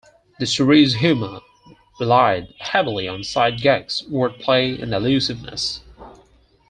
The series' humor relied heavily on sight gags, wordplay, and allusiveness.